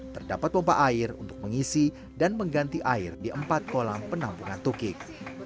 terdapat pompa air untuk mengisi dan mengganti air di empat kolam penampungan tukik